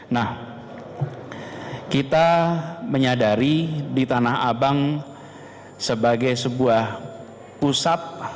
nah kita menyadari di tanah abang sebagai sebuah pusat